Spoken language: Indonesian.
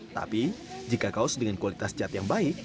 tapi jika kaos dengan kualitas cat yang baik